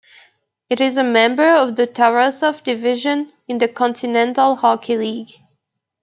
It is a member of the Tarasov Division in the Kontinental Hockey League.